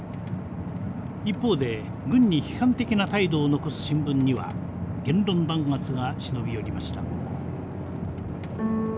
一方で軍に批判的な態度を残す新聞には言論弾圧が忍び寄りました。